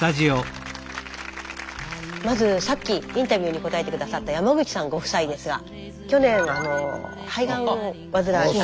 まずさっきインタビューに答えて下さった山口さんご夫妻ですがああそう。